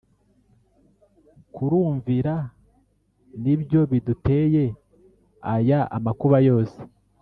Kurumvira nibyo biduteye aya amakuba yose